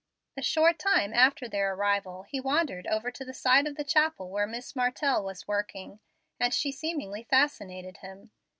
A short time after their arrival he wandered over to the side of the chapel where Miss Martell was working, and she seemingly fascinated him.